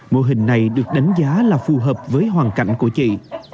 mô hình này được đánh giá là phù hợp với hoàn cảnh của chị